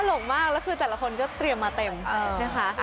ลงมากแล้วคือแต่ละคนก็เตรียมมาเต็มนะคะ